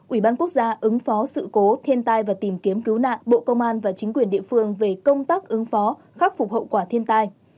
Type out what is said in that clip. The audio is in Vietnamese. ủy ban quốc gia ứng phó sự cố thiên tai và tìm kiếm cứu nạn bộ công an và chính quyền địa phương về công tác ứng phó khắc phục hậu quả thiên tai